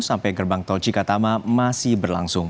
sampai gerbang tol cikatama masih berlangsung